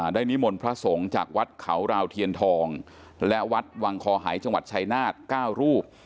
นิมนต์พระสงฆ์จากวัดเขาราวเทียนทองและวัดวังคอหายจังหวัดชายนาฏ๙รูป